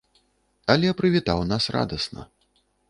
Але прывітаў нас радасна.